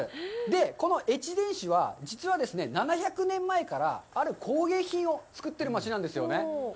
で、この越前市は、実は、７００年前からある工芸品をつくってる町なんですよね。